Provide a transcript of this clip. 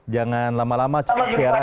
jangan lama lama cepat siaran